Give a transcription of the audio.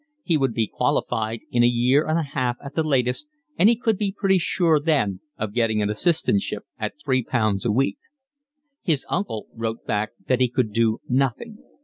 He would be qualified in a year and a half at the latest, and he could be pretty sure then of getting an assistantship at three pounds a week. His uncle wrote back that he could do nothing.